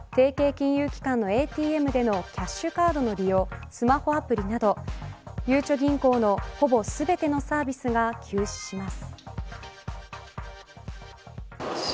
金融機関のＡＴＭでのキャッシュカードの利用スマホアプリなどゆうちょ銀行のほぼ全てのサービスが休止します。